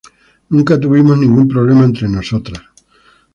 Nunca tuvimos ningún problema entre nosotras.